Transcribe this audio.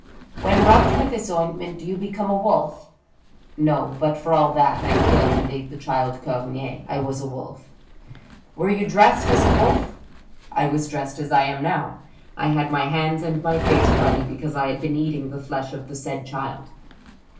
When rubbed with this ointment do you become a wolf?" *' No ; but for all that, I killed and ate the child Cornier : I was a wolf." 6—2 84 THE BOOK OF WERE WOLVES. " Were you dressed as a wolf? "'' I was dressed as I am now. I had my hands and my face bloody, because I had been eating the flesh of the said child."